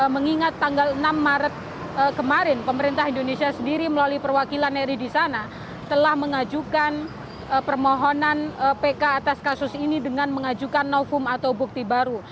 mengingat tanggal enam maret kemarin pemerintah indonesia sendiri melalui perwakilan ri di sana telah mengajukan permohonan pk atas kasus ini dengan mengajukan novum atau bukti baru